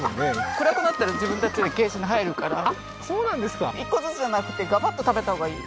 暗くなったら自分たちでケージに入るからあっそうなんですか１個ずつじゃなくてガバッと食べたほうがいい